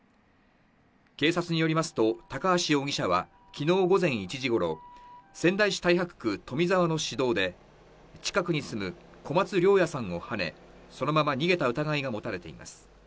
警察によりますと高橋容疑者は、昨日午前１時頃、仙台市太白区富沢の市道で、近くに住む小松涼也さんをはね、そのまま逃げた疑いが持たれています。